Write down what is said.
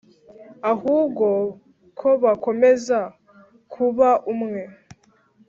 ahubwo ko bakomeza kuba umwe.